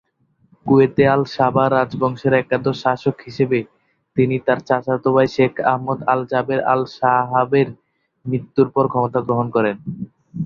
কুয়েতে Al Sabah রাজবংশের একাদশ শাসক হিসাবে তিনি তার চাচাত ভাই শেখ আহমদ আল-জাবের আল-সাবাহের মৃত্যুর পর ক্ষমতা গ্রহণ করেন।